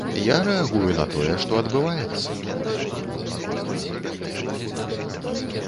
Я рэагую на тое, што адбываецца.